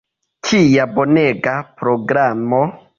Kia bonega programo!